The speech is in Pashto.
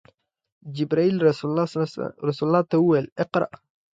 جبرئیل رسول الله ته وویل: “اقرأ!”